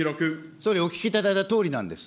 総理、お聞きいただいたとおりなんです。